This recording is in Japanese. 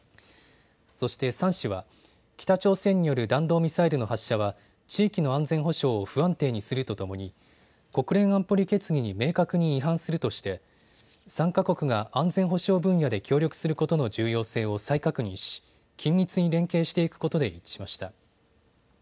そして３氏は北朝鮮による弾道ミサイルの発射は地域の安全保障を不安定にするとともに国連安保理決議に明確に違反するとして３か国が安全保障分野で協力することの重要性を再確認し緊密に連携していくことで一致しました。